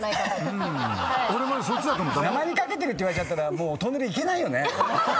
名前に掛けてるって言われたらもうトンネルいけないよね。